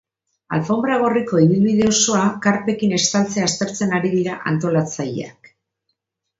Alfonbra gorriko ibilbide osoa karpekin estaltzea aztertzen ari dira antolatzaileak.